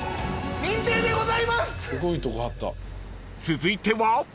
［続いては？］